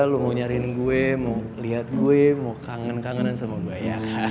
lo mau nyariin gue mau liat gue mau kangen kangenan sama gue